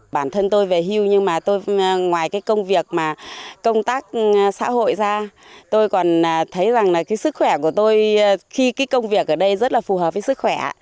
bản thân tôi về hưu nhưng mà tôi ngoài cái công việc mà công tác xã hội ra tôi còn thấy rằng là cái sức khỏe của tôi khi cái công việc ở đây rất là phù hợp với sức khỏe